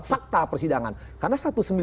fakta persidangan karena satu ratus sembilan puluh